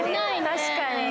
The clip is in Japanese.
確かに。